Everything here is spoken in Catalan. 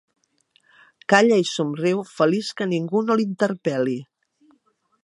Calla i somriu, feliç que ningú no l'interpel·li.